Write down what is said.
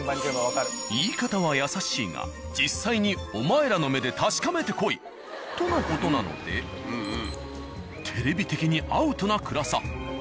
言い方は優しいが実際にお前らの目で確かめてこいとの事なのでテレビ的にアウトな暗さ